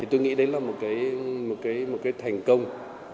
thì tôi nghĩ đấy là một cái thành công